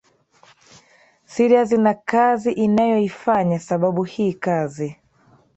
serious na kazi inayoifanya sababu hii kazi